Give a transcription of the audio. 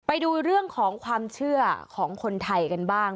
ไปดูเรื่องของความเชื่อของคนไทยกันบ้าง